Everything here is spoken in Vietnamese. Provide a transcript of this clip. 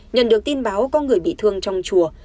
nhận được tin báo có người bị thương trong chùa